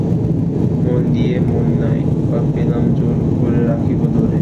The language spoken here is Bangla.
মন দিয়ে মন নাই বা পেলেম জোর করে রাখিব ধরে।